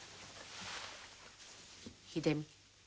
秀美